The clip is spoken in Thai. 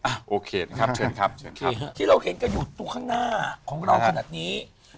โอเคนะครับเชิญครับเชิญเคฮะที่เราเห็นกันอยู่ตรงข้างหน้าของเราขนาดนี้